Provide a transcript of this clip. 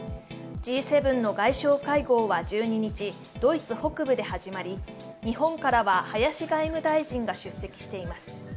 Ｇ７の外相会合は１２日、ドイツ北部で始まり日本からは林外務大臣が出席しています。